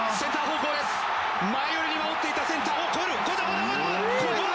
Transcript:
前寄りに守っていたセンターを越える。